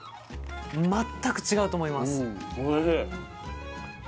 全く違うと思います